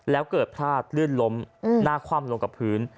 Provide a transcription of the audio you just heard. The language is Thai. แล้วเกิดพลาดลื่นล้มหน้าคว่ำลงกับพื้น